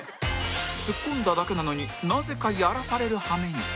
ツッコんだだけなのになぜかやらされるはめに